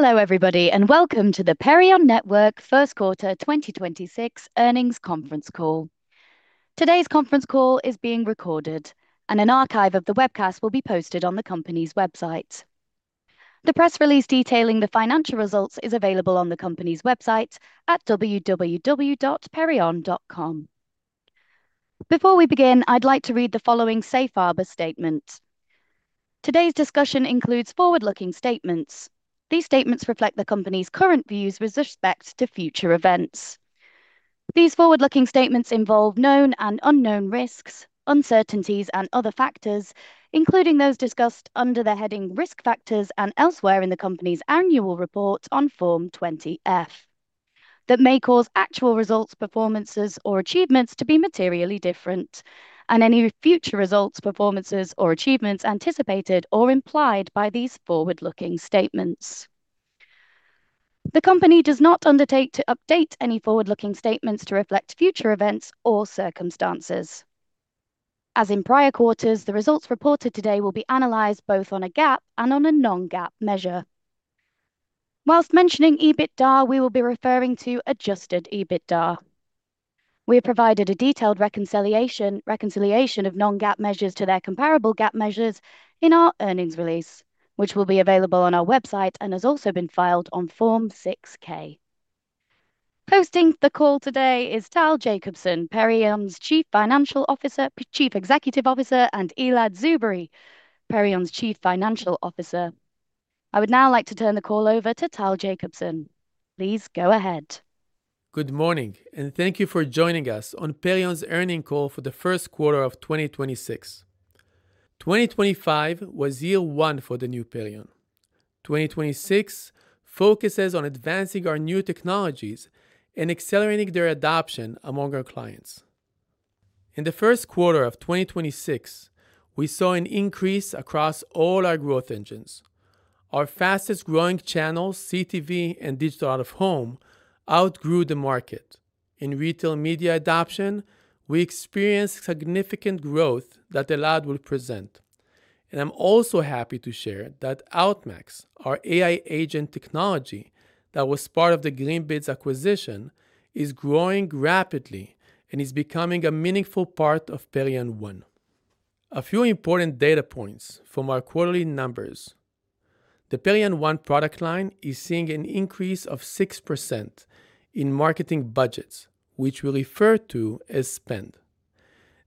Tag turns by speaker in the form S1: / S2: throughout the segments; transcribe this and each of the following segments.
S1: Hello everybody and welcome to the Perion Network first quarter 2026 earnings conference call. Today's conference call is being recorded, and an archive of the webcast will be posted on the company's website. The press release detailing the financial results is available on the company's website at www.perion.com. Before we begin, I'd like to read the following safe harbor statement. Today's discussion includes forward-looking statements. These statements reflect the company's current views with respect to future events. These forward-looking statements involve known and unknown risks, uncertainties, and other factors, including those discussed under the heading "Risk factors" and elsewhere in the company's annual report on Form 20-F that may cause actual results, performances, or achievements to be materially different, and any future results, performances, or achievements anticipated or implied by these forward-looking statements. The company does not undertake to update any forward-looking statements to reflect future events or circumstances. As in prior quarters, the results reported today will be analyzed both on a GAAP and on a non-GAAP measure. Whilst mentioning EBITDA, we will be referring to adjusted EBITDA. We have provided a detailed reconciliation of non-GAAP measures to their comparable GAAP measures in our earnings release, which will be available on our website and has also been filed on Form 6-K. Hosting the call today is Tal Jacobson, Perion's Chief Executive Officer, and Elad Tzubery, Perion's Chief Financial Officer. I would now like to turn the call over to Tal Jacobson. Please go ahead.
S2: Good morning and thank you for joining us on Perion Network's earnings call for the first quarter of 2026. 2025 was year one for the new Perion Network. 2026 focuses on advancing our new technologies and accelerating their adoption among our clients. In the first quarter of 2026, we saw an increase across all our growth engines. Our fastest growing channels, CTV and digital out-of-home, outgrew the market. In retail media adoption, we experienced significant growth that Elad Tzubery will present. I'm also happy to share that Outmax, our AI agent technology that was part of the Greenbids acquisition, is growing rapidly and is becoming a meaningful part of Perion One. A few important data points from our quarterly numbers. The Perion One product line is seeing an increase of 6% in marketing budgets, which we refer to as spend.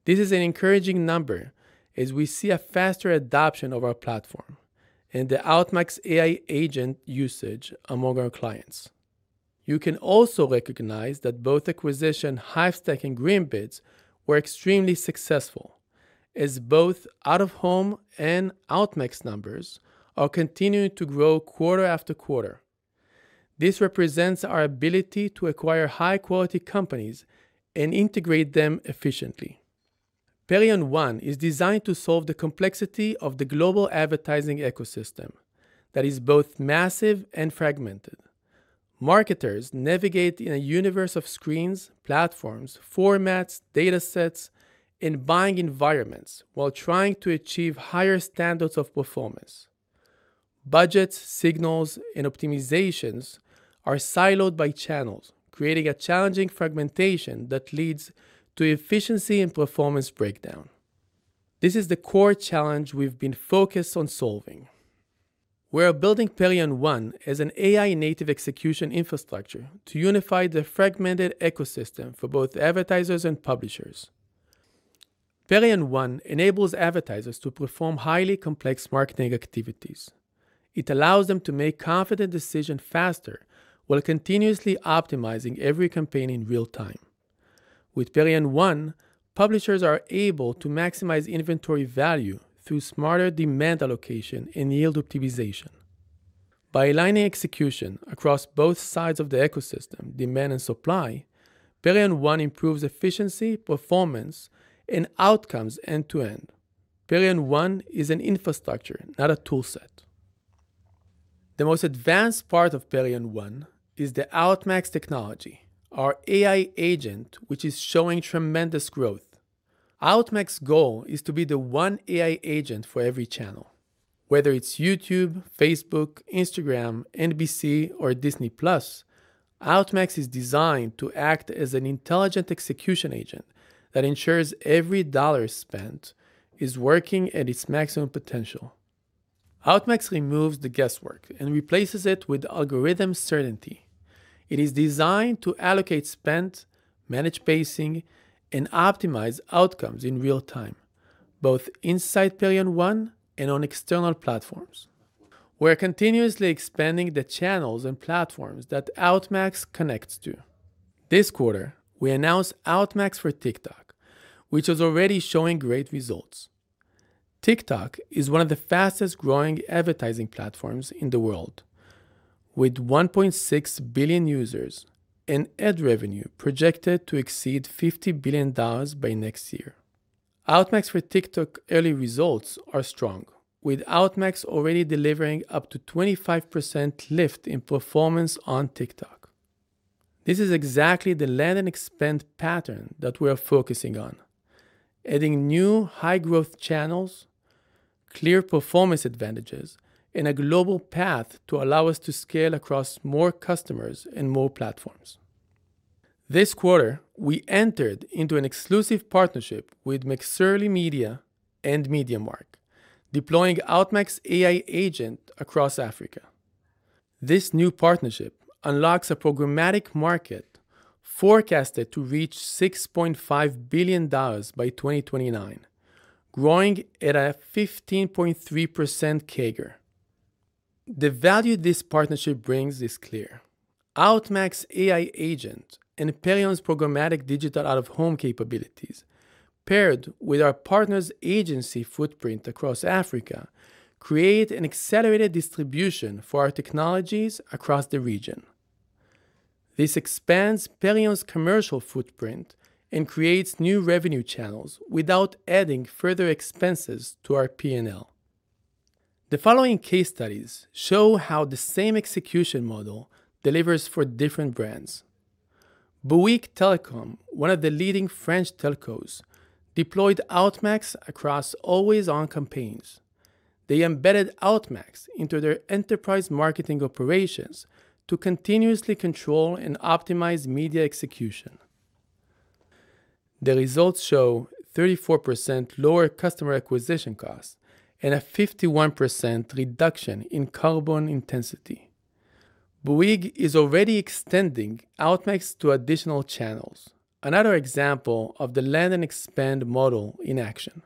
S2: This is an encouraging number as we see a faster adoption of our platform and the Outmax AI agent usage among our clients. You can also recognize that both acquisition Hivestack and Greenbids were extremely successful as both out-of-home and Outmax numbers are continuing to grow quarter after quarter. This represents our ability to acquire high-quality companies and integrate them efficiently. Perion One is designed to solve the complexity of the global advertising ecosystem that is both massive and fragmented. Marketers navigate in a universe of screens, platforms, formats, data sets, and buying environments while trying to achieve higher standards of performance. Budgets, signals, and optimizations are siloed by channels, creating a challenging fragmentation that leads to efficiency and performance breakdown. This is the core challenge we've been focused on solving. We are building Perion One as an AI-native execution infrastructure to unify the fragmented ecosystem for both advertisers and publishers. Perion One enables advertisers to perform highly complex marketing activities. It allows them to make confident decision faster while continuously optimizing every campaign in real-time. With Perion One, publishers are able to maximize inventory value through smarter demand allocation and yield optimization. By aligning execution across both sides of the ecosystem, demand and supply, Perion One improves efficiency, performance, and outcomes end to end. Perion One is an infrastructure, not a tool set. The most advanced part of Perion One is the Outmax technology, our AI agent, which is showing tremendous growth. Outmax goal is to be the one AI agent for every channel, whether it's YouTube, Facebook, Instagram, NBC, or Disney+. Outmax is designed to act as an intelligent execution agent that ensures every dollar spent is working at its maximum potential. Outmax removes the guesswork and replaces it with algorithm certainty. It is designed to allocate spend, manage pacing, and optimize outcomes in real time, both inside Perion One and on external platforms. We're continuously expanding the channels and platforms that Outmax connects to. This quarter, we announced Outmax for TikTok, which is already showing great results. TikTok is one of the fastest-growing advertising platforms in the world, with 1.6 billion users and ad revenue projected to exceed $50 billion by next year. Outmax for TikTok early results are strong, with Outmax already delivering up to 25% lift in performance on TikTok. This is exactly the land and expand pattern that we are focusing on. Adding new high-growth channels, clear performance advantages, and a global path to allow us to scale across more customers and more platforms. This quarter, we entered into an exclusive partnership with McSorely Media and Mediamark, deploying Outmax AI Agent across Africa. This new partnership unlocks a programmatic market forecasted to reach $6.5 billion by 2029, growing at a 15.3% CAGR. The value this partnership brings is clear. Outmax AI Agent and Perion's programmatic digital out-of-home capabilities, paired with our partners' agency footprint across Africa, create an accelerated distribution for our technologies across the region. This expands Perion's commercial footprint and creates new revenue channels without adding further expenses to our P&L. The following case studies show how the same execution model delivers for different brands. Bouygues Telecom, one of the leading French telcos, deployed Outmax across always-on campaigns. They embedded Outmax into their enterprise marketing operations to continuously control and optimize media execution. The results show 34% lower customer acquisition cost and a 51% reduction in carbon intensity. Bouygues is already extending Outmax to additional channels. Another example of the land and expand model in action.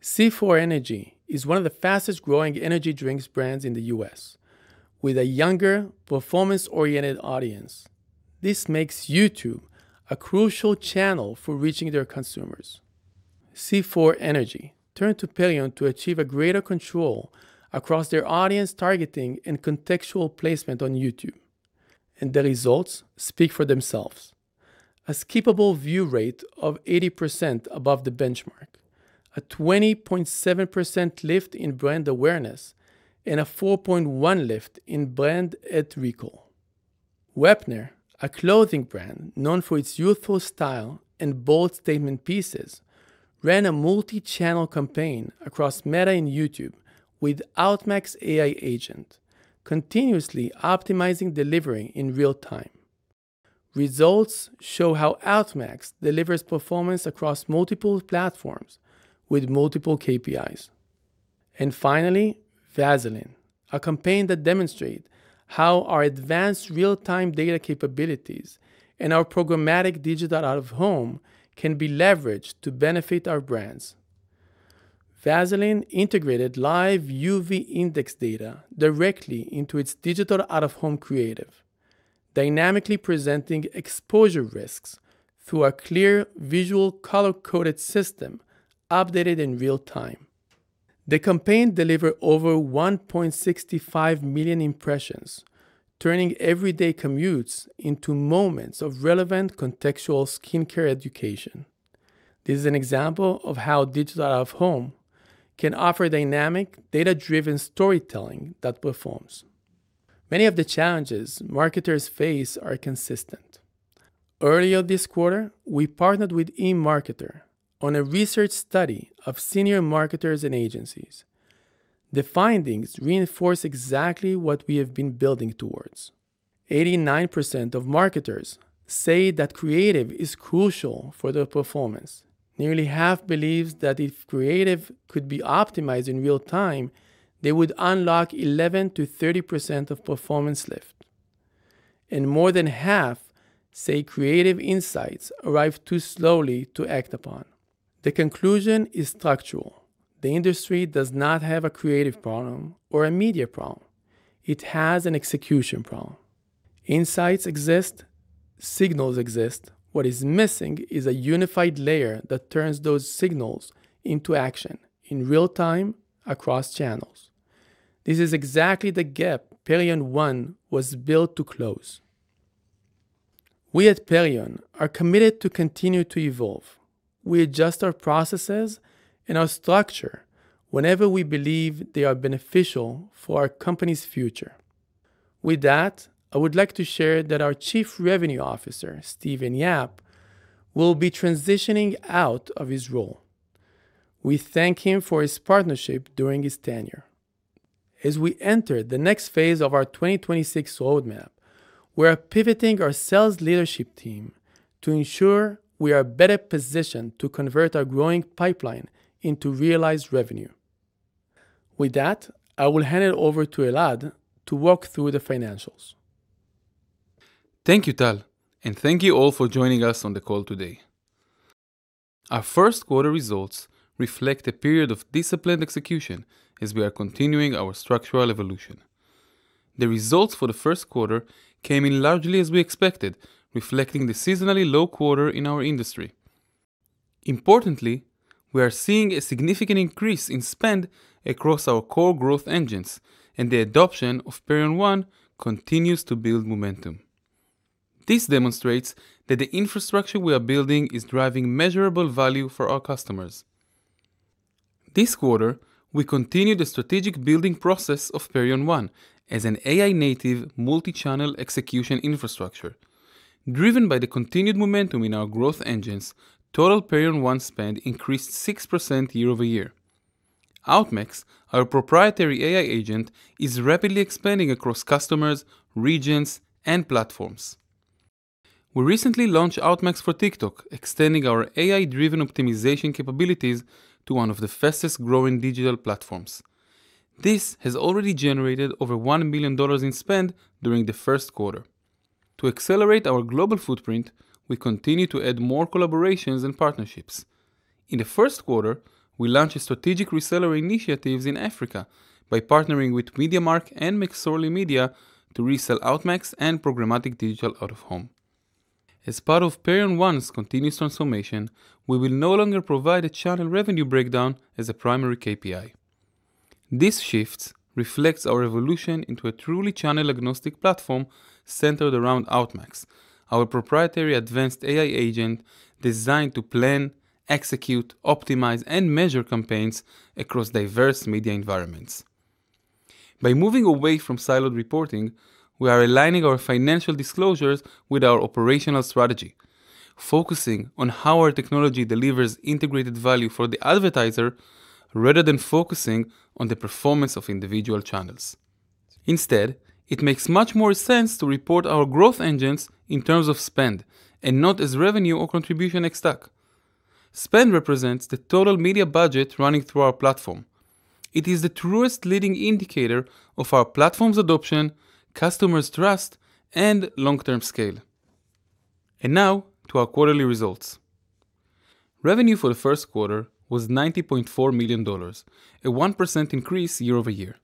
S2: C4 Energy is one of the fastest-growing energy drinks brands in the U.S., with a younger, performance-oriented audience. This makes YouTube a crucial channel for reaching their consumers. C4 Energy turned to Perion to achieve a greater control across their audience targeting and contextual placement on YouTube. The results speak for themselves. A skippable view rate of 80% above the benchmark, a 20.7% lift in brand awareness, and a 4.1% lift in brand ad recall. Wepner, a clothing brand known for its youthful style and bold statement pieces, ran a multi-channel campaign across Meta and YouTube with Outmax AI Agent, continuously optimizing delivery in real-time. Results show how Outmax delivers performance across multiple platforms with multiple KPIs. Finally, Vaseline, a campaign that demonstrate how our advanced real-time data capabilities and our programmatic digital out-of-home can be leveraged to benefit our brands. Vaseline integrated live UV index data directly into its digital out-of-home creative, dynamically presenting exposure risks through a clear visual color-coded system updated in real time. The campaign delivered over 1.65 million impressions, turning everyday commutes into moments of relevant contextual skincare education. This is an example of how digital out-of-home can offer dynamic, data-driven storytelling that performs. Many of the challenges marketers face are consistent. Earlier this quarter, we partnered with eMarketer on a research study of senior marketers and agencies. The findings reinforce exactly what we have been building towards. 89% of marketers say that creative is crucial for their performance. Nearly half believe that if creative could be optimized in real time, they would unlock 11%-30% of performance lift, and more than half say creative insights arrive too slowly to act upon. The conclusion is structural. The industry does not have a creative problem or a media problem. It has an execution problem. Insights exist, signals exist. What is missing is a unified layer that turns those signals into action in real time across channels. This is exactly the gap Perion One was built to close. We at Perion are committed to continue to evolve. We adjust our processes and our structure whenever we believe they are beneficial for our company's future. I would like to share that our Chief Revenue Officer, Stephen Yap, will be transitioning out of his role. We thank him for his partnership during his tenure. As we enter the next phase of our 2026 roadmap, we are pivoting our sales leadership team to ensure we are better positioned to convert our growing pipeline into realized revenue. With that, I will hand it over to Elad to walk through the financials.
S3: Thank you, Tal, and thank you all for joining us on the call today. Our first quarter results reflect a period of disciplined execution as we are continuing our structural evolution. The results for the first quarter came in largely as we expected, reflecting the seasonally low quarter in our industry. Importantly, we are seeing a significant increase in spend across our core growth engines, and the adoption of Perion One continues to build momentum. This demonstrates that the infrastructure we are building is driving measurable value for our customers. This quarter, we continued the strategic building process of Perion One as an AI-native multi-channel execution infrastructure. Driven by the continued momentum in our growth engines, total Perion One spend increased 6% year-over-year. Outmax, our proprietary AI agent, is rapidly expanding across customers, regions, and platforms. We recently launched Outmax for TikTok, extending our AI-driven optimization capabilities to one of the fastest-growing digital platforms. This has already generated over $1 million in spend during the first quarter. To accelerate our global footprint, we continue to add more collaborations and partnerships. In the first quarter, we launched strategic reseller initiatives in Africa by partnering with Mediamark and McSorely Media to resell Outmax and programmatic digital out-of-home. As part of Perion One's continuous transformation, we will no longer provide a channel revenue breakdown as a primary KPI. This shift reflects our evolution into a truly channel-agnostic platform centered around Outmax, our proprietary advanced AI agent designed to plan, execute, optimize, and measure campaigns across diverse media environments. By moving away from siloed reporting, we are aligning our financial disclosures with our operational strategy, focusing on how our technology delivers integrated value for the advertiser rather than focusing on the performance of individual channels. Instead, it makes much more sense to report our growth engines in terms of spend, and not as revenue or Contribution ex-TAC. Spend represents the total media budget running through our platform. It is the truest leading indicator of our platform's adoption, customers' trust, and long-term scale. Now to our quarterly results. Revenue for the first quarter was $90.4 million, a 1% increase year-over-year.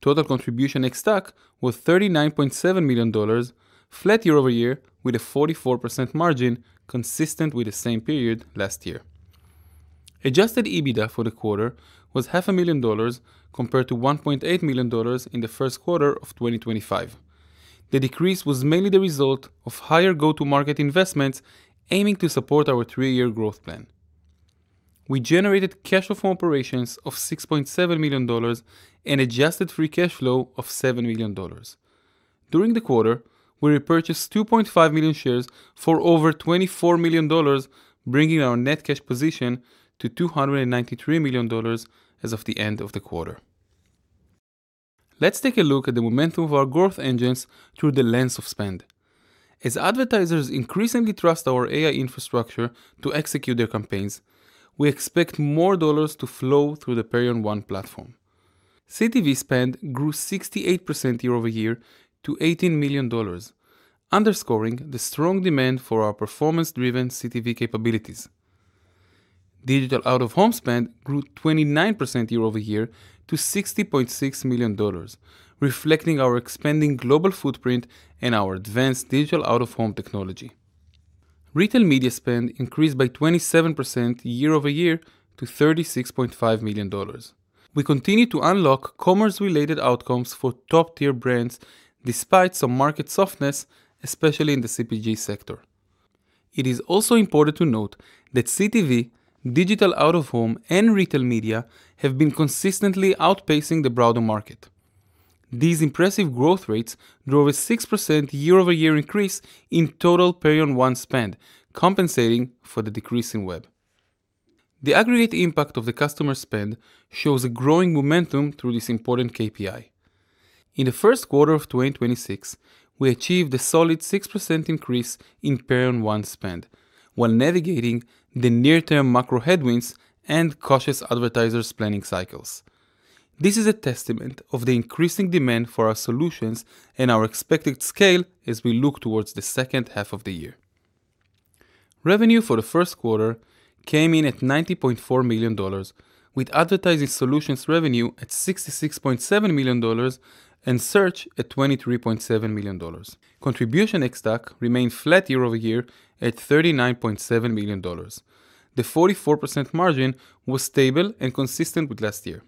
S3: Total Contribution ex-TAC was $39.7 million, flat year-over-year, with a 44% margin consistent with the same period last year. Adjusted EBITDA for the quarter was half a million dollars, compared to $1.8 million in the first quarter of 2025. The decrease was mainly the result of higher go-to-market investments aiming to support our three-year growth plan. We generated cash flow from operations of $6.7 million and adjusted free cash flow of $7 million. During the quarter, we repurchased 2.5 million shares for over $24 million, bringing our net cash position to $293 million as of the end of the quarter. Let's take a look at the momentum of our growth engines through the lens of spend. As advertisers increasingly trust our AI infrastructure to execute their campaigns, we expect more dollars to flow through the Perion One platform. CTV spend grew 68% year-over-year to $18 million, underscoring the strong demand for our performance-driven CTV capabilities. digital out-of-home spend grew 29% year-over-year to $60.6 million, reflecting our expanding global footprint and our advanced digital out-of-home technology. retail media spend increased by 27% year-over-year to $36.5 million. We continue to unlock commerce-related outcomes for top-tier brands despite some market softness, especially in the CPG sector. It is also important to note that CTV, digital out-of-home, and retail media have been consistently outpacing the broader market. These impressive growth rates drove a 6% year-over-year increase in total Perion One spend, compensating for the decrease in web. The aggregate impact of the customer spend shows a growing momentum through this important KPI. In the first quarter of 2026, we achieved a solid 6% increase in Perion One spend while navigating the near-term macro headwinds and cautious advertisers' planning cycles. This is a testament of the increasing demand for our solutions and our expected scale as we look towards the second half of the year. Revenue for the first quarter came in at $90.4 million, with advertising solutions revenue at $66.7 million and search at $23.7 million. Contribution ex-TAC remained flat year-over-year at $39.7 million. The 44% margin was stable and consistent with last year.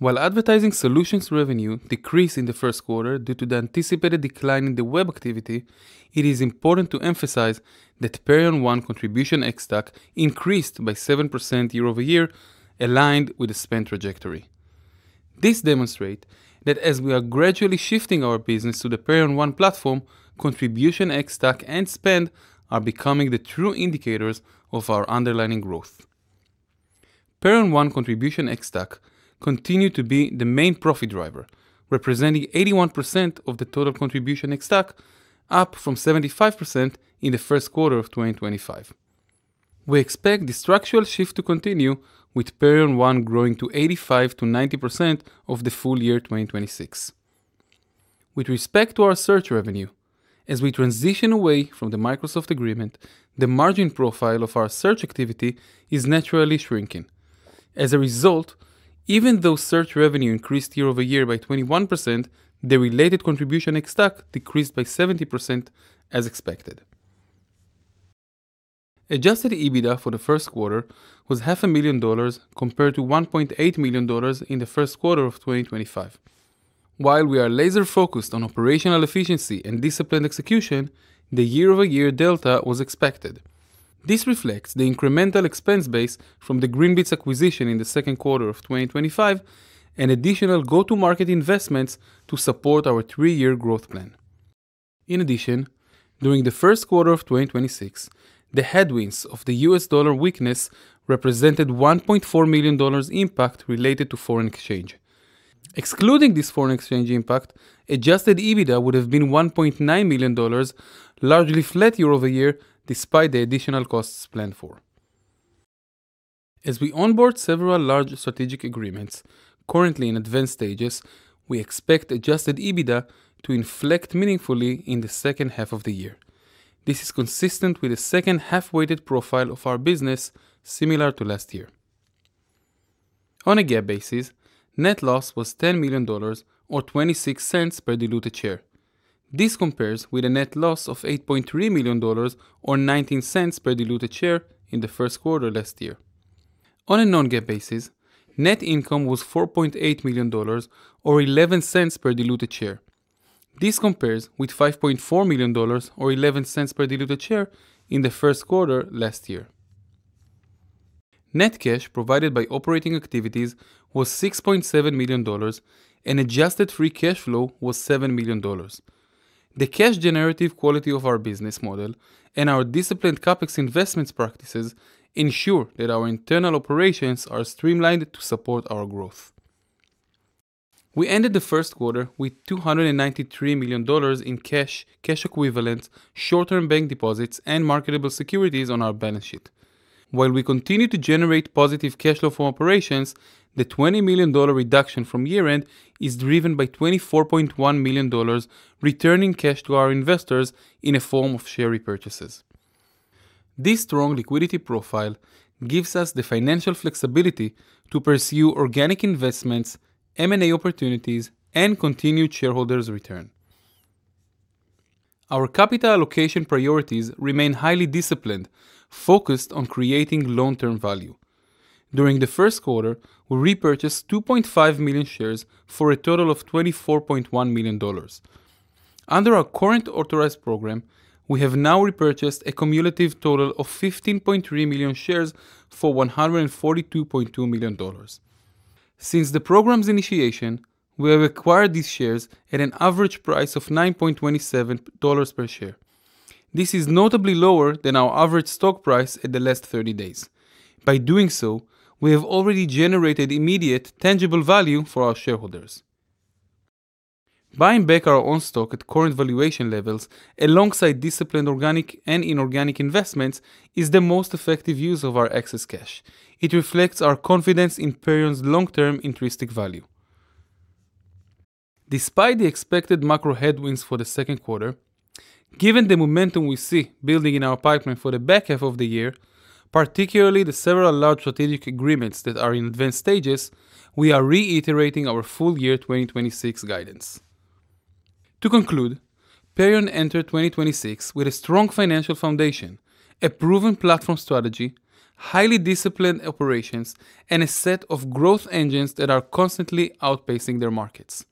S3: While advertising solutions revenue decreased in the first quarter due to the anticipated decline in the web activity, it is important to emphasize that Perion One contribution ex-TAC increased by 7% year-over-year, aligned with the spend trajectory. This demonstrates that as we are gradually shifting our business to the Perion One platform, contribution ex-TAC and spend are becoming the true indicators of our underlying growth. Perion One contribution ex-TAC continued to be the main profit driver, representing 81% of the total contribution ex-TAC, up from 75% in the first quarter of 2025. We expect the structural shift to continue, with Perion One growing to 85%-90% of the full year 2026. With respect to our search revenue, as we transition away from the Microsoft agreement, the margin profile of our search activity is naturally shrinking. As a result, even though search revenue increased year-over-year by 21%, the related Contribution ex-TAC decreased by 70% as expected. Adjusted EBITDA for the first quarter was half a million dollars compared to $1.8 million in the first quarter of 2025. While we are laser-focused on operational efficiency and disciplined execution, the year-over-year delta was expected. This reflects the incremental expense base from the Greenbids acquisition in the second quarter of 2025 and additional go-to-market investments to support our three-year growth plan. In addition, during the first quarter of 2026, the headwinds of the U.S. dollar weakness represented $1.4 million impact related to foreign exchange. Excluding this foreign exchange impact, adjusted EBITDA would have been $1.9 million, largely flat year-over-year, despite the additional costs planned for. As we onboard several large strategic agreements currently in advanced stages, we expect adjusted EBITDA to inflect meaningfully in the second half of the year. This is consistent with the second half-weighted profile of our business, similar to last year. On a GAAP basis, net loss was $10 million, or $0.26 per diluted share. This compares with a net loss of $8.3 million, or $0.19 per diluted share in the first quarter last year. On a non-GAAP basis, net income was $4.8 million, or $0.11 per diluted share. This compares with $5.4 million, or $0.11 per diluted share in the first quarter last year. Net cash provided by operating activities was $6.7 million, and adjusted free cash flow was $7 million. The cash generative quality of our business model and our disciplined CapEx investments practices ensure that our internal operations are streamlined to support our growth. We ended the first quarter with $293 million in cash equivalents, short-term bank deposits, and marketable securities on our balance sheet. While we continue to generate positive cash flow from operations, the $20 million reduction from year-end is driven by $24.1 million returning cash to our investors in a form of share repurchases. This strong liquidity profile gives us the financial flexibility to pursue organic investments, M&A opportunities, and continued shareholders return. Our capital allocation priorities remain highly disciplined, focused on creating long-term value. During the first quarter, we repurchased 2.5 million shares for a total of $24.1 million. Under our current authorized program, we have now repurchased a cumulative total of 15.3 million shares for $142.2 million. Since the program's initiation, we have acquired these shares at an average price of $9.27 per share. This is notably lower than our average stock price at the last 30 days. By doing so, we have already generated immediate tangible value for our shareholders. Buying back our own stock at current valuation levels alongside disciplined organic and inorganic investments is the most effective use of our excess cash. It reflects our confidence in Perion's long-term intrinsic value. Despite the expected macro headwinds for the second quarter, given the momentum we see building in our pipeline for the back half of the year, particularly the several large strategic agreements that are in advanced stages, we are reiterating our full year 2026 guidance. To conclude, Perion entered 2026 with a strong financial foundation, a proven platform strategy, highly disciplined operations, and a set of growth engines that are constantly outpacing their markets.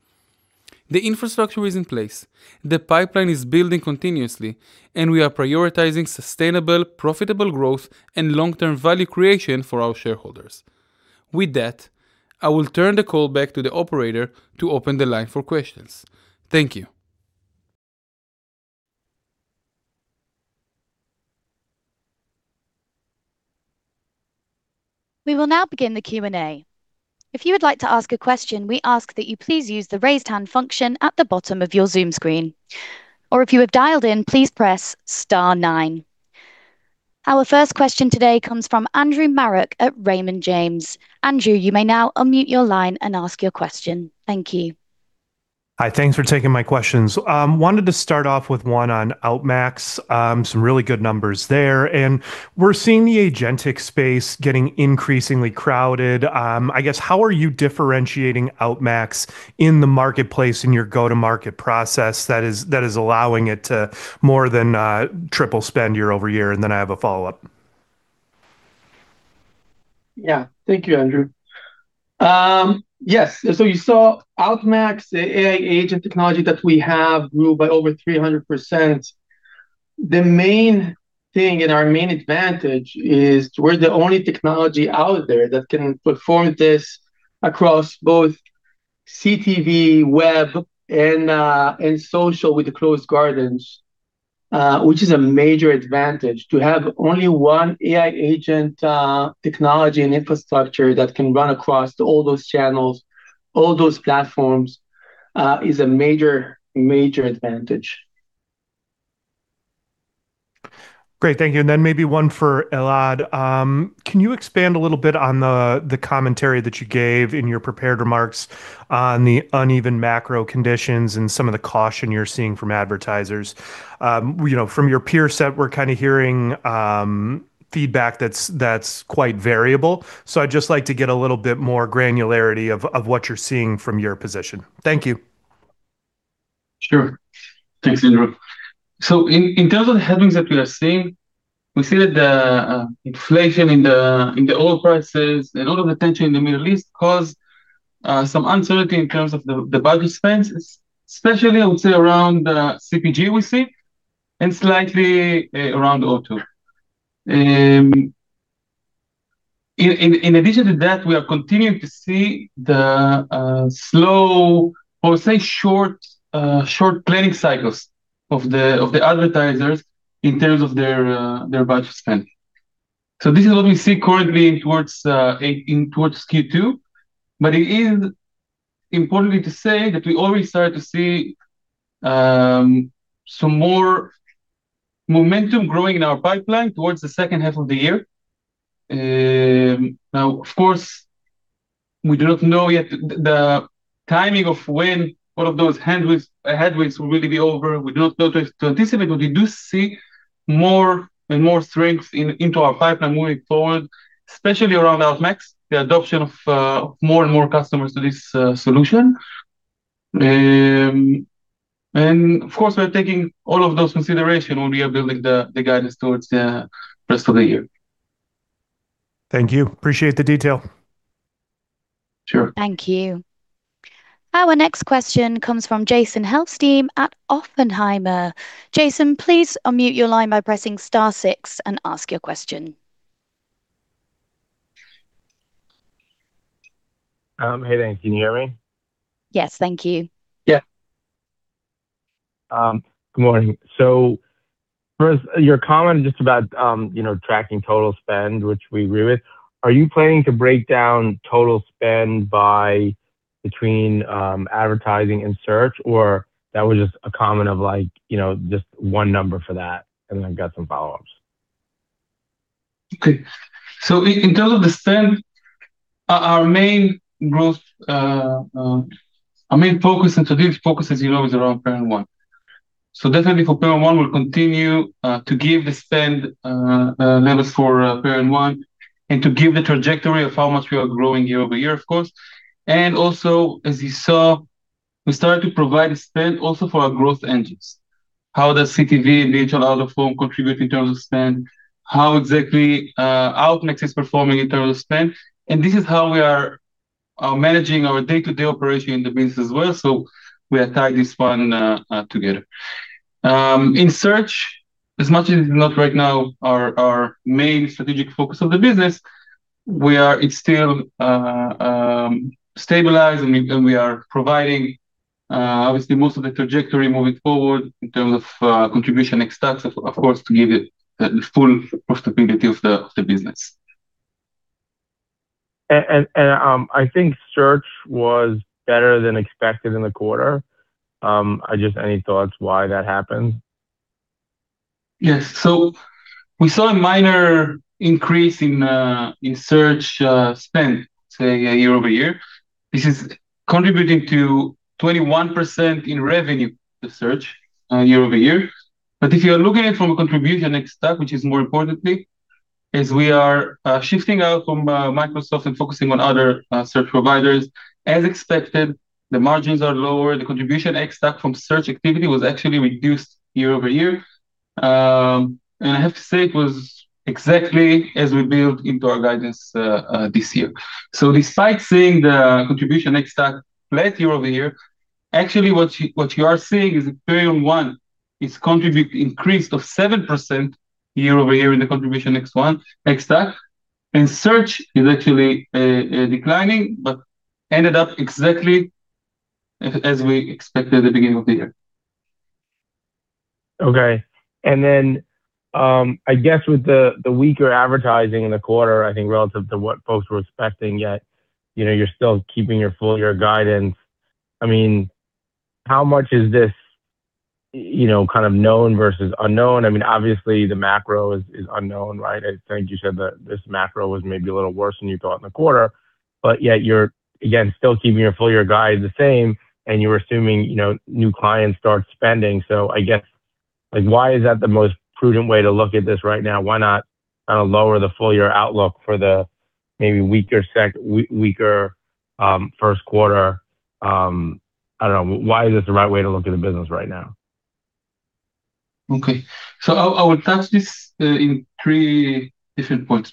S3: The infrastructure is in place, the pipeline is building continuously, and we are prioritizing sustainable, profitable growth and long-term value creation for our shareholders. With that, I will turn the call back to the operator to open the line for questions. Thank you.
S1: We will now begin the Q&A. If you would like to ask a question, we ask that you please use the raise hand function at the bottom of your Zoom screen. Or if you have dialed in, please press star nine. Our first question today comes from Andrew Marok at Raymond James. Andrew, you may now unmute your line and ask your question. Thank you.
S4: Hi. Thanks for taking my questions. Wanted to start off with one on Outmax, some really good numbers there. We're seeing the agentic space getting increasingly crowded. I guess, how are you differentiating Outmax in the marketplace in your go-to-market process that is allowing it to more than triple spend year-over-year? Then I have a follow-up.
S2: Yeah. Thank you, Andrew. Yes. You saw Outmax AI agent technology that we have grew by over 300%. The main thing and our main advantage is we're the only technology out there that can perform this across both CTV, web, and social with the closed gardens, which is a major advantage. To have only one AI agent technology and infrastructure that can run across all those channels, all those platforms, is a major advantage.
S4: Great. Thank you. Then maybe one for Elad. Can you expand a little bit on the commentary that you gave in your prepared remarks on the uneven macro conditions and some of the caution you're seeing from advertisers? From your peer set, we're kind of hearing feedback that's quite variable. I'd just like to get a little bit more granularity of what you're seeing from your position. Thank you.
S3: Sure. Thanks, Andrew. In terms of the headings that we are seeing, we see that the inflation in the oil prices and all of the tension in the Middle East caused some uncertainty in terms of the budget spends, especially, I would say around CPG we see, and slightly around auto. In addition to that, we are continuing to see the slow, or say short planning cycles of the advertisers in terms of their budget spend. This is what we see currently in towards Q2, but it is importantly to say that we already started to see some more momentum growing in our pipeline towards the second half of the year. Now, of course, we do not know yet the timing of when all of those headwinds will really be over. We do not know to anticipate, but we do see more and more strength into our pipeline moving forward, especially around Outmax, the adoption of more and more customers to this solution. Of course, we're taking all of those considerations when we are building the guidance towards the rest of the year.
S4: Thank you. Appreciate the detail.
S3: Sure.
S1: Thank you. Our next question comes from Jason Helfstein at Oppenheimer. Jason, please unmute your line by pressing star six and ask your question.
S5: Hey, thanks. Can you hear me?
S1: Yes, thank you.
S3: Yeah.
S5: Good morning. First, your comment just about tracking total spend, which we agree with. Are you planning to break down total spend between advertising and search, or that was just a comment of one number for that, and then I've got some follow-ups.
S3: In terms of the spend, our main focus, and strategic focus as you know, is around Perion One. Definitely for Perion One, we'll continue to give the spend levels for Perion One and to give the trajectory of how much we are growing year-over-year, of course. Also, as you saw, we started to provide a spend also for our growth engines. How does CTV and out-of-home contribute in terms of spend? How exactly Outmax is performing in terms of spend? This is how we are managing our day-to-day operation in the business as well. We are tied this one together. In search, as much as it's not right now our main strategic focus of the business, it's still stabilized and we are providing obviously most of the trajectory moving forward in terms of Contribution ex-TAC, of course, to give it the full profitability of the business.
S5: I think search was better than expected in the quarter. Just any thoughts why that happened?
S3: We saw a minor increase in search spend, say year-over-year. This is contributing to 21% in revenue to search year-over-year. If you're looking at it from a Contribution ex-TAC, which is more importantly, as we are shifting out from Microsoft and focusing on other search providers, as expected, the margins are lower. The Contribution ex-TAC from search activity was actually reduced year-over-year. I have to say it was exactly as we built into our guidance this year. Despite seeing the Contribution ex-TAC late year-over-year, actually what you are seeing is Perion One is contribute increase of 7% year-over-year in the Contribution ex-TAC. Search is actually declining, but ended up exactly as we expected at the beginning of the year.
S5: Okay. I guess with the weaker advertising in the quarter, I think relative to what folks were expecting, yet you're still keeping your full year guidance. How much is this kind of known versus unknown? Obviously the macro is unknown, right? I think you said that this macro was maybe a little worse than you thought in the quarter, you're again, still keeping your full year guide the same and you're assuming new clients start spending. I guess, why is that the most prudent way to look at this right now? Why not kind of lower the full year outlook for the maybe weaker first quarter? I don't know. Why is this the right way to look at the business right now?
S3: I will touch this in three different points.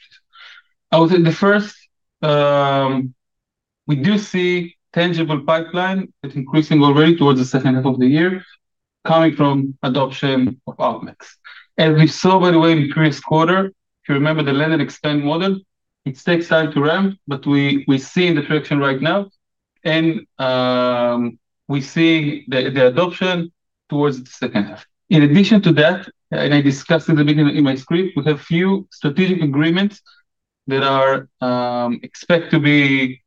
S3: I would say the first, we do see tangible pipeline that's increasing already towards the second half of the year coming from adoption of Outmax. As we saw, by the way, in previous quarter, if you remember the land and expand model, it takes time to ramp, but we see the traction right now, and we see the adoption towards the second half. In addition to that, and I discussed in the beginning in my script, we have few strategic agreements that are expect to be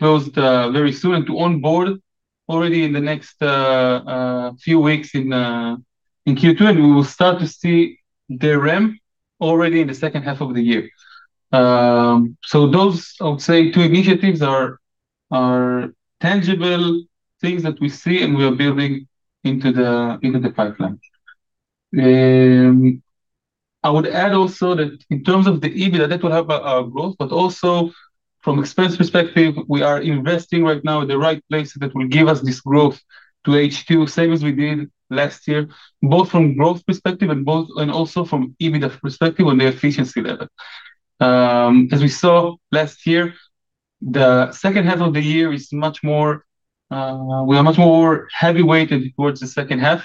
S3: closed very soon to onboard already in the next few weeks in Q2, and we will start to see the ramp already in the second half of the year. Those, I would say two initiatives are tangible things that we see and we are building into the pipeline. I would add also that in terms of the EBITDA, that will help our growth, but also from expense perspective, we are investing right now in the right places that will give us this growth to H2 same as we did last year, both from growth perspective and also from EBITDA perspective on the efficiency level. As we saw last year, the second half of the year, we are much more heavy weighted towards the second half,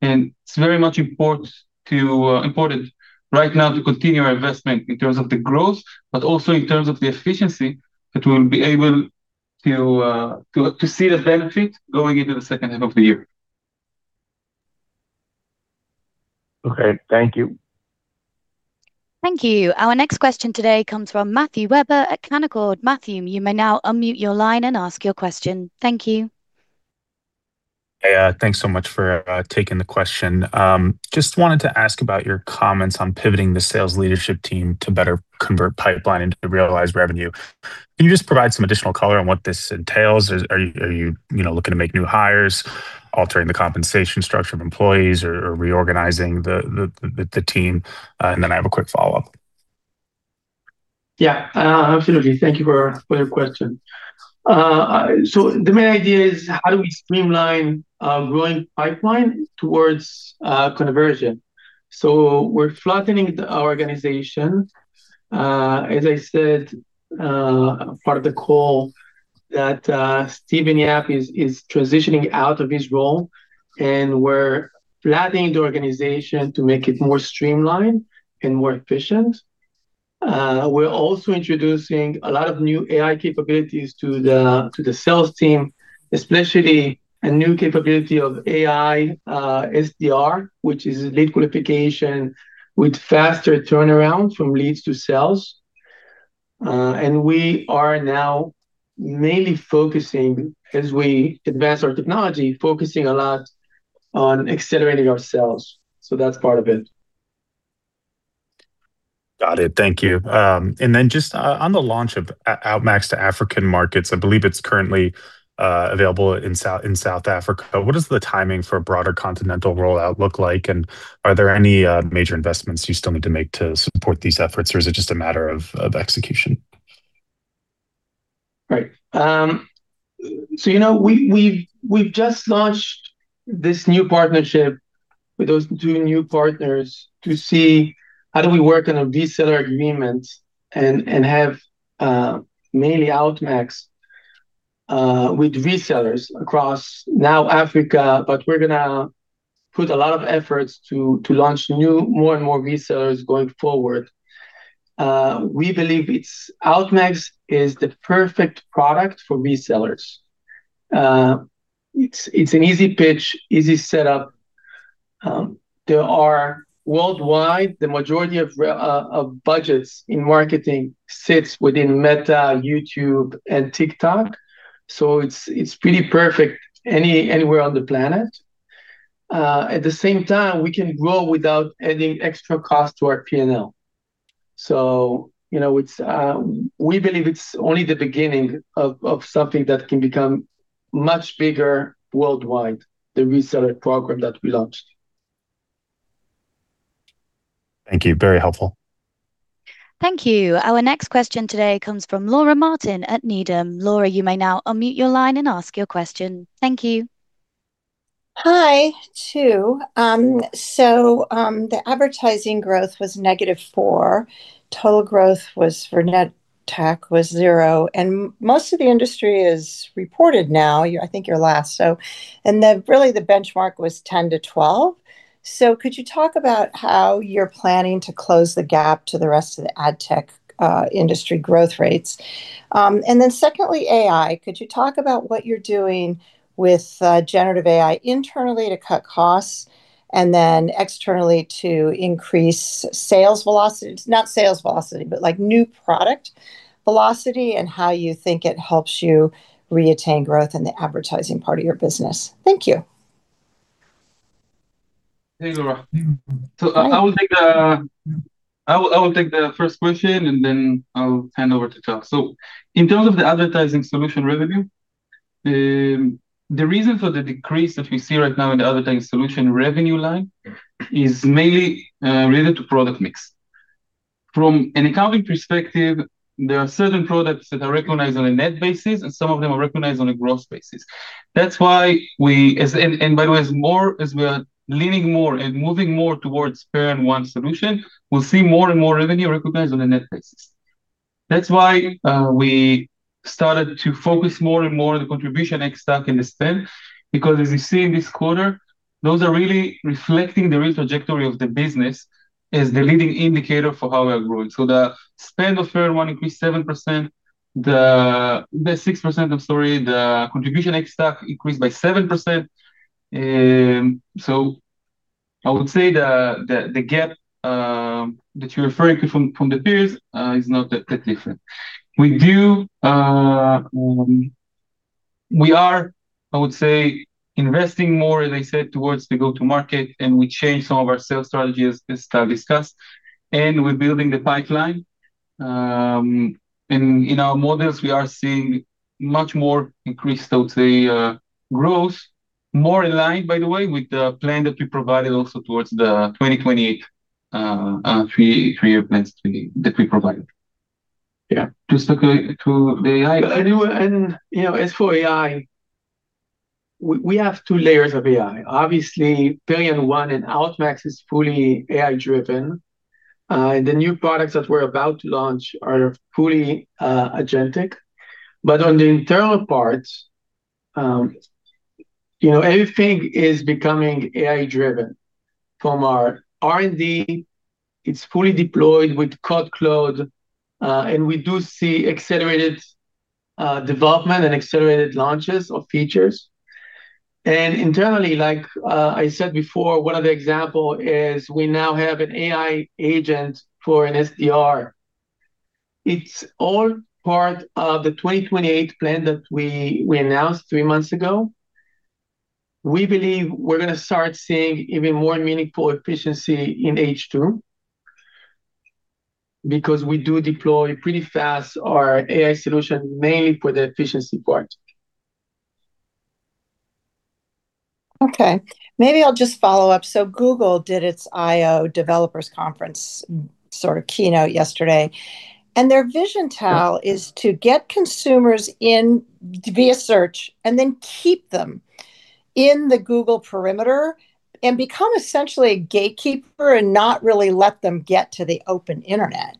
S3: and it's very much important right now to continue our investment in terms of the growth, but also in terms of the efficiency that we'll be able to see the benefit going into the second half of the year.
S5: Okay. Thank you.
S1: Thank you. Our next question today comes from Matthew Weber at Canaccord. Matthew, you may now unmute your line and ask your question. Thank you.
S6: Yeah. Thanks so much for taking the question. Just wanted to ask about your comments on pivoting the sales leadership team to better convert pipeline into realized revenue. Can you just provide some additional color on what this entails? Are you looking to make new hires, altering the compensation structure of employees or reorganizing the team? I have a quick follow-up.
S2: Yeah, absolutely. Thank you for your question. The main idea is how do we streamline growing pipeline towards conversion. We're flattening the organization. As I said, part of the call that Stephen Yap is transitioning out of his role, and we're flattening the organization to make it more streamlined and more efficient. We're also introducing a lot of new AI capabilities to the sales team, especially a new capability of AI, SDR, which is lead qualification with faster turnaround from leads to sales. We are now mainly focusing, as we advance our technology, focusing a lot on accelerating our sales. That's part of it.
S6: Got it. Thank you. Just on the launch of Outmax to African markets, I believe it's currently available in South Africa. What is the timing for a broader continental rollout look like, and are there any major investments you still need to make to support these efforts, or is it just a matter of execution?
S2: Right. We've just launched this new partnership with those two new partners to see how do we work on a reseller agreement and have mainly Outmax with resellers across now Africa, but we're going to put a lot of efforts to launch more and more resellers going forward. We believe Outmax is the perfect product for resellers. It's an easy pitch, easy setup. Worldwide, the majority of budgets in marketing sits within Meta, YouTube, and TikTok. It's pretty perfect anywhere on the planet. At the same time, we can grow without adding extra cost to our P&L. We believe it's only the beginning of something that can become much bigger worldwide, the reseller program that we launched.
S6: Thank you. Very helpful.
S1: Thank you. Our next question today comes from Laura Martin at Needham. Laura, you may now unmute your line and ask your question. Thank you.
S7: Hi. Two. The advertising growth was -4%. Total growth for net TAC was 0%, and most of the industry is reported now, I think you're last. Really the benchmark was 10%-12%. Could you talk about how you're planning to close the gap to the rest of the ad tech industry growth rates? Secondly, AI, could you talk about what you're doing with generative AI internally to cut costs and then externally to increase sales velocity? Not sales velocity, but like new product velocity, and how you think it helps you reattain growth in the advertising part of your business. Thank you.
S3: Hey, Laura. I will take the first question, and then I'll hand over to Tal. In terms of the advertising solution revenue, the reason for the decrease that we see right now in the advertising solution revenue line is mainly related to product mix. From an accounting perspective, there are certain products that are recognized on a net basis, and some of them are recognized on a gross basis. By the way, as we are leaning more and moving more towards Perion One solution, we'll see more and more revenue recognized on a net basis. That's why we started to focus more and more on the Contribution ex-TAC and the spend, because as you see in this quarter, those are really reflecting the real trajectory of the business as the leading indicator for how we are growing. The spend of Perion One increased 7%. The 6%, I'm sorry, the Contribution ex-TAC increased by 7%. I would say the gap that you're referring to from the peers is not that different. We are, I would say, investing more, as I said, towards the go-to market, and we changed some of our sales strategies, as Tal discussed, and we're building the pipeline In our models, we are seeing much more increased, I would say, growth. More in line, by the way, with the plan that we provided also towards the 2028 three-year plans that we provided.
S2: Yeah.
S3: Just to go to the AI.
S2: As for AI, we have two layers of AI. Obviously, Perion One and Outmax is fully AI-driven. The new products that we're about to launch are fully agentic. On the internal parts, everything is becoming AI-driven. From our R&D, it's fully deployed with CodeCloud, and we do see accelerated development and accelerated launches of features. Internally, like I said before, one of the example is we now have an AI agent for an SDR. It's all part of the 2028 plan that we announced three months ago. We believe we're going to start seeing even more meaningful efficiency in H2, because we do deploy pretty fast our AI solution mainly for the efficiency part.
S7: Okay. Maybe I'll just follow up. Google did its I/O Developers conference sort of keynote yesterday, and their vision Tal is to get consumers in via search and then keep them in the Google perimeter and become essentially a gatekeeper and not really let them get to the open internet.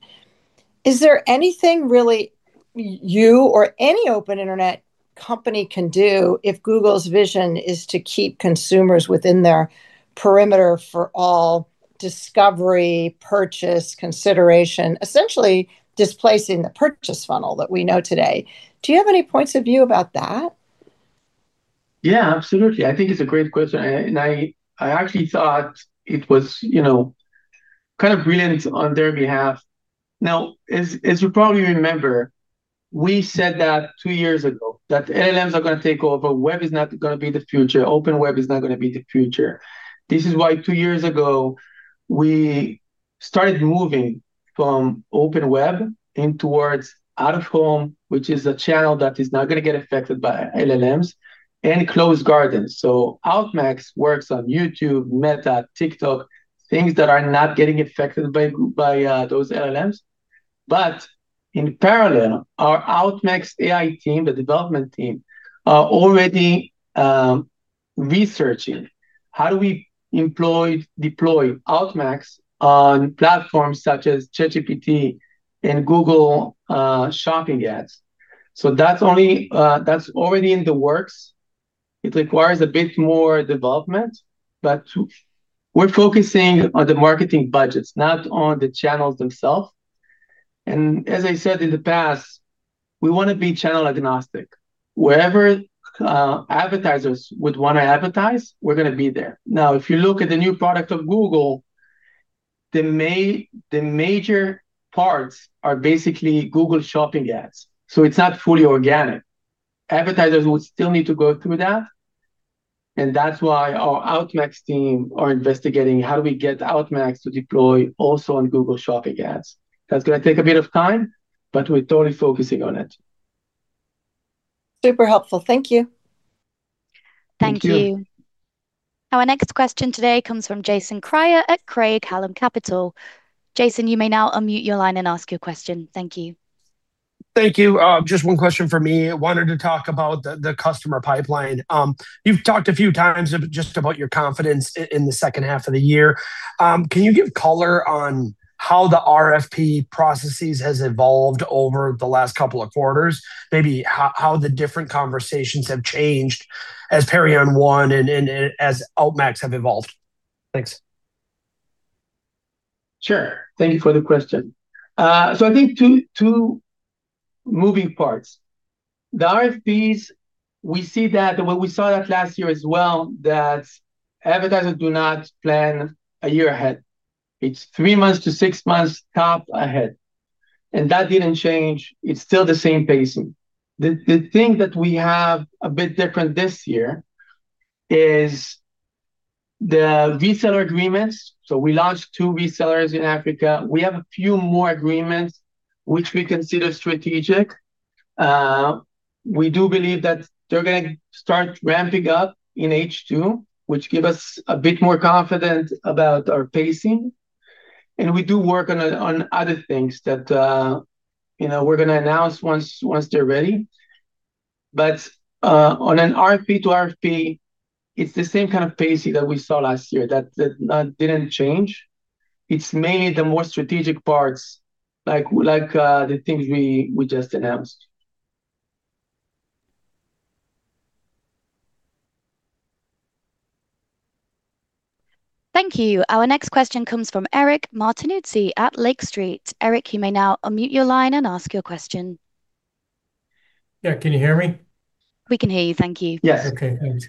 S7: Is there anything really you or any open internet company can do if Google's vision is to keep consumers within their perimeter for all discovery, purchase, consideration, essentially displacing the purchase funnel that we know today? Do you have any points of view about that?
S2: Absolutely. I think it's a great question. I actually thought it was kind of brilliant on their behalf. As you probably remember, we said that two years ago, that LLMs are going to take over, web is not going to be the future, open web is not going to be the future. This is why two years ago, we started moving from open web in towards out of home, which is a channel that is not going to get affected by LLMs, and closed gardens. Outmax works on YouTube, Meta, TikTok, things that are not getting affected by those LLMs. In parallel, our Outmax AI team, the development team, are already researching how do we deploy Outmax on platforms such as ChatGPT and Google Shopping ads. That's already in the works. It requires a bit more development. We're focusing on the marketing budgets, not on the channels themselves. As I said in the past, we want to be channel agnostic. Wherever advertisers would want to advertise, we're going to be there. If you look at the new product of Google, the major parts are basically Google Shopping ads. It's not fully organic. Advertisers would still need to go through that, and that's why our Outmax team are investigating how do we get Outmax to deploy also on Google Shopping ads. That's going to take a bit of time, but we're totally focusing on it.
S7: Super helpful. Thank you.
S2: Thank you.
S3: Thank you.
S1: Our next question today comes from Jason Kreyer at Craig-Hallum Capital. Jason, you may now unmute your line and ask your question. Thank you.
S8: Thank you. Just one question for me. Wanted to talk about the customer pipeline. You've talked a few times just about your confidence in the second half of the year. Can you give color on how the RFP processes has evolved over the last couple of quarters? Maybe how the different conversations have changed as Perion One and as Outmax have evolved? Thanks.
S2: Sure. Thank you for the question. I think two moving parts. The RFPs, we saw that last year as well, that advertisers do not plan one year ahead. It's three months to six months top ahead, and that didn't change. It's still the same pacing. The thing that we have a bit different this year is the reseller agreements. We launched two resellers in Africa. We have a few more agreements which we consider strategic. We do believe that they're going to start ramping up in H2, which give us a bit more confidence about our pacing. We do work on other things that we're going to announce once they're ready. On an RFP to RFP, it's the same kind of pacing that we saw last year, that didn't change. It's mainly the more strategic parts, like the things we just announced.
S1: Thank you. Our next question comes from Eric Martinuzzi at Lake Street. Eric, you may now unmute your line and ask your question.
S9: Yeah, can you hear me?
S1: We can hear you, thank you.
S9: Yes. Okay, great.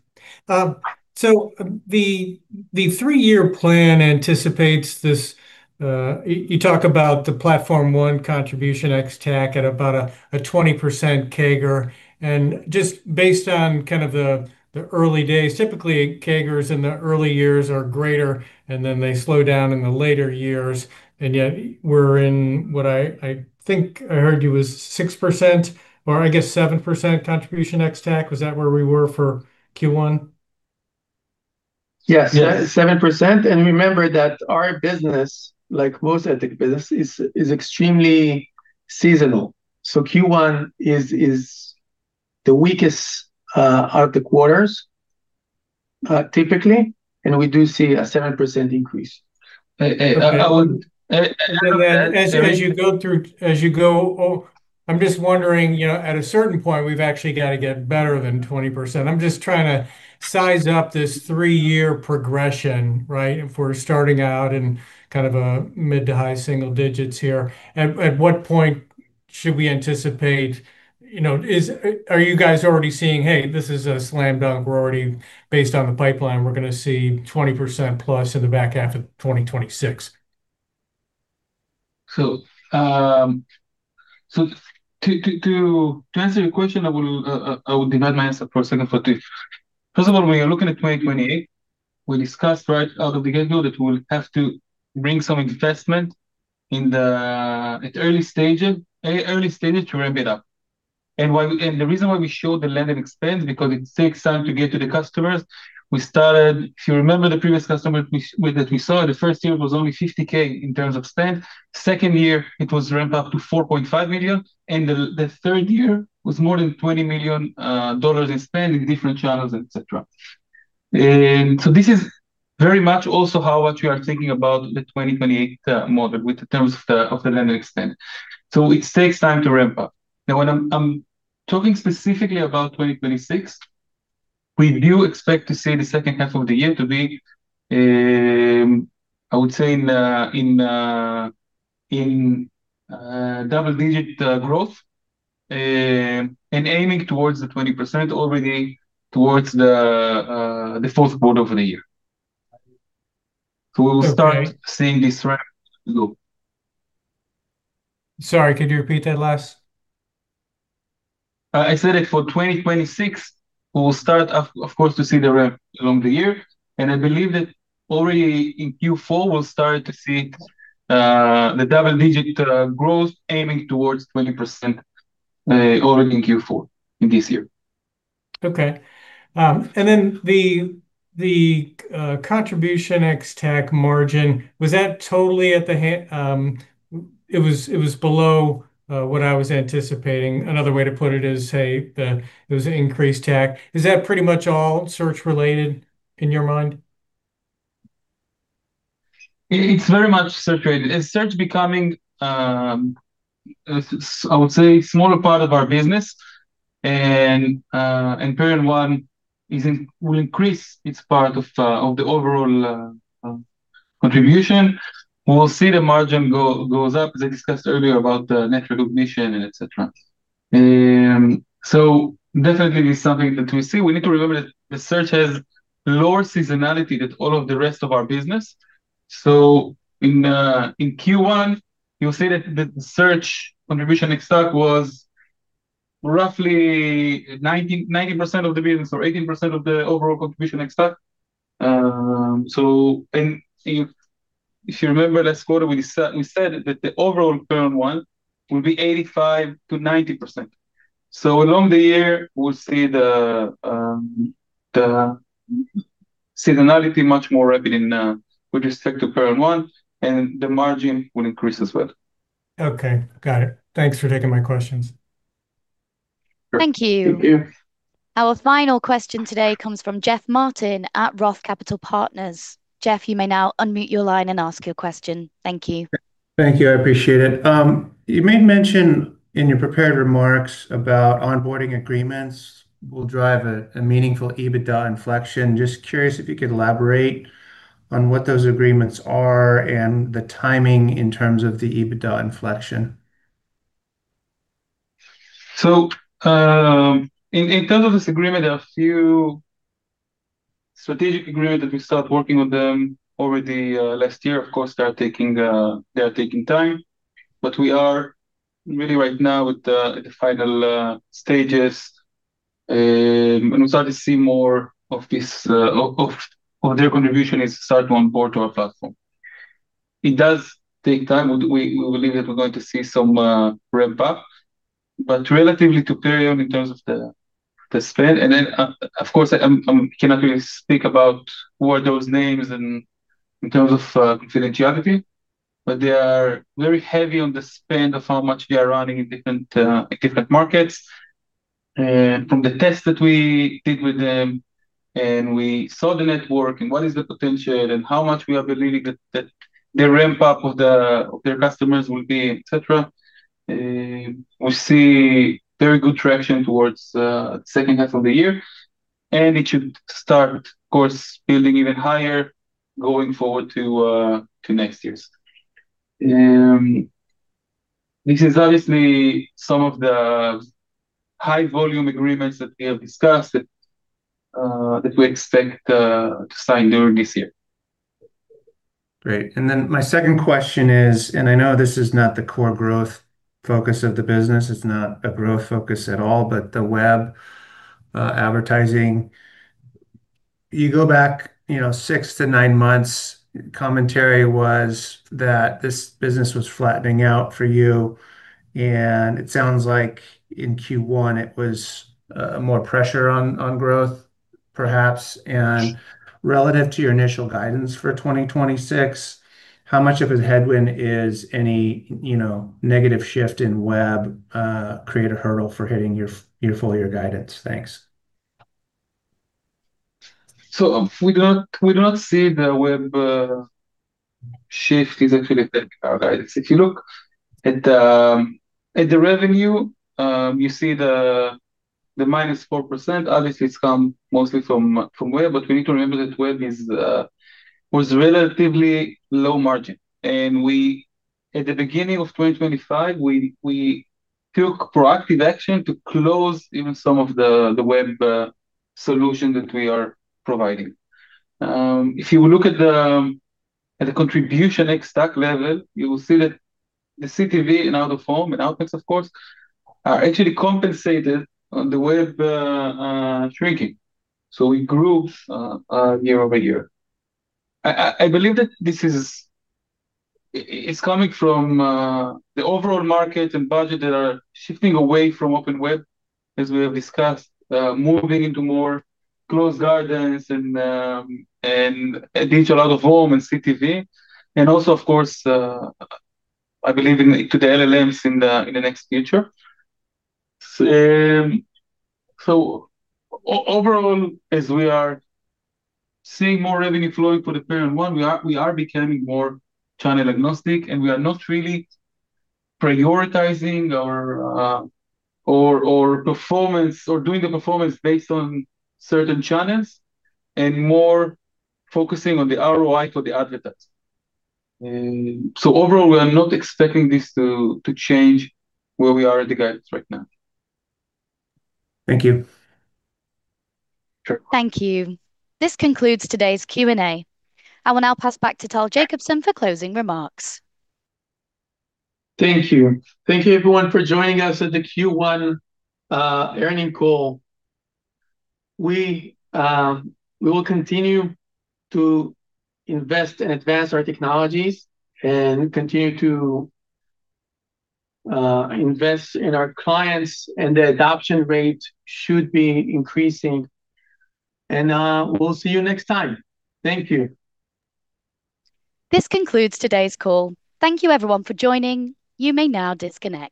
S9: The three-year plan anticipates this. You talk about the Perion One Contribution ex-TAC at about a 20% CAGR, and just based on kind of the early days, typically CAGRs in the early years are greater, and then they slow down in the later years, and yet we're in what I think I heard you was 6%, or I guess 7% Contribution ex-TAC. Was that where we were for Q1?
S3: Yes. 7%. Remember that our business, like most tech business, is extremely seasonal, so Q1 is the weakest out of the quarters, typically, and we do see a 7% increase.
S9: Okay.
S3: I would-
S9: As you go, I'm just wondering, at a certain point, we've actually got to get better than 20%. I'm just trying to size up this three-year progression, right? If we're starting out in kind of a mid to high single digits here, at what point should we anticipate Are you guys already seeing, "Hey, this is a slam dunk. Based on the pipeline, we're going to see 20%+ in the back half of 2026"?
S3: To answer your question, I will divide my answer for a second. First of all, when we are looking at 2028, we discussed right out of the get-go that we'll have to bring some investment at early stages to ramp it up. The reason why we show the landed expense, because it takes time to get to the customers. We started, if you remember the previous customer that we saw, the first year was only $50K in terms of spend. Second year it was ramped up to $4.5 million, and the third year was more than $20 million in spend in different channels, et cetera. This is very much also how what we are thinking about the 2028 model with the terms of the landed spend. It takes time to ramp up. When I'm talking specifically about 2026, we do expect to see the second half of the year to be, I would say in double-digit growth, and aiming towards the 20% already towards the fourth quarter of the year.
S9: Okay.
S3: We will start seeing this ramp go.
S9: Sorry, could you repeat that last?
S3: I said that for 2026, we will start of course to see the ramp along the year, and I believe that already in Q4 we'll start to see the double-digit growth aiming towards 20% already in Q4 in this year.
S9: Okay. The Contribution ex-TAC margin, it was below what I was anticipating. Another way to put it is, hey, there was an increased TAC. Is that pretty much all search related in your mind?
S3: It's very much search related. Search becoming, I would say, smaller part of our business, and Perion One will increase its part of the overall contribution. We'll see the margin goes up, as I discussed earlier about the net recognition and et cetera. Definitely something that we see. We need to remember that the search has lower seasonality than all of the rest of our business. In Q1, you'll see that the search Contribution ex-TAC was roughly 90% of the business or 18% of the overall Contribution ex-TAC. If you remember last quarter, we said that the overall Perion One will be 85%-90%. Along the year, we'll see the seasonality much more rapid in with respect to Perion One, and the margin will increase as well.
S9: Okay, got it. Thanks for taking my questions.
S1: Thank you.
S3: Thank you.
S1: Our final question today comes from Jeff Martin at ROTH Capital Partners. Jeff, you may now unmute your line and ask your question. Thank you.
S10: Thank you, I appreciate it. You made mention in your prepared remarks about onboarding agreements will drive a meaningful EBITDA inflection. Just curious if you could elaborate on what those agreements are and the timing in terms of the EBITDA inflection.
S3: In terms of this agreement, there are few strategic agreement that we start working with them over the last year. Of course, they are taking time. We are really right now at the final stages, and we start to see more of their contribution is start to onboard to our platform. It does take time. We believe that we're going to see some ramp up, but relatively to Perion in terms of the spend. Of course, I cannot really speak about who are those names in terms of confidentiality, but they are very heavy on the spend of how much we are running in different markets. From the tests that we did with them, and we saw the network and what is the potential and how much we are believing that the ramp up of their customers will be, et cetera, we see very good traction towards the second half of the year, and it should start, of course, building even higher going forward to next years. This is obviously some of the high volume agreements that we have discussed that we expect to sign during this year.
S10: Great. My second question is, I know this is not the core growth focus of the business, it is not a growth focus at all, but the web advertising, you go back six to nine months, commentary was that this business was flattening out for you, and it sounds like in Q1 it was more pressure on growth perhaps. Relative to your initial guidance for 2026, how much of a headwind is any negative shift in web create a hurdle for hitting your full year guidance? Thanks.
S3: We do not see the web shift is actually taking our guidance. If you look at the revenue, you see the -4%. Obviously, it's come mostly from web, but we need to remember that web was relatively low margin. At the beginning of 2025, we took proactive action to close even some of the web solution that we are providing. If you look at the Contribution ex-TAC level, you will see that the CTV and out-of-home and Outmax, of course, are actually compensated on the web shrinking. We grew year over year. I believe that this is coming from the overall market and budget that are shifting away from open web, as we have discussed, moving into more closed gardens and digital out-of-home and CTV. Also, of course, I believe to the LLMs in the next future. Overall, as we are seeing more revenue flowing for the Perion One, we are becoming more channel agnostic, and we are not really prioritizing or doing the performance based on certain channels, and more focusing on the ROI for the advertisers. Overall, we are not expecting this to change where we are at the guidance right now.
S10: Thank you.
S3: Sure.
S1: Thank you. This concludes today's Q&A. I will now pass back to Tal Jacobson for closing remarks.
S2: Thank you. Thank you, everyone, for joining us at the Q1 earnings call. We will continue to invest and advance our technologies and continue to invest in our clients, the adoption rate should be increasing. We'll see you next time. Thank you.
S1: This concludes today's call. Thank you, everyone, for joining. You may now disconnect.